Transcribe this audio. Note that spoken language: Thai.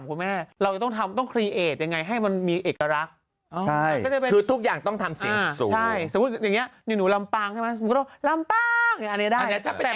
คุณแหม่เราต้องทำต้องครีเอทยังไงให้มันมีเอกลักษณ์ให้มาคือทุกอย่างต้องทำเสียงสูงสมมุติอย่างเนี้ยหนูหนูลำปังรับลำปังอันนี้ได้